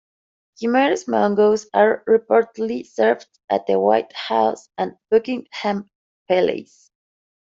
Guimaras mangoes are reportedly served at the White House and Buckingham Palace.